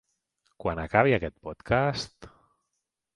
Quan acabi aquest podcast….